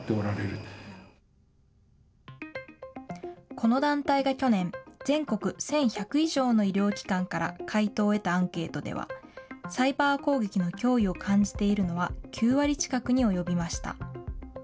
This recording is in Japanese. この団体が去年、全国１１００以上の医療機関から回答を得たアンケートでは、サイバー攻撃の脅威を感じているのは９割近くに及びました。